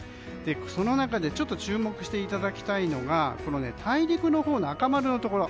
その中でちょっと注目していただきたいのが大陸のほうの赤丸のところ。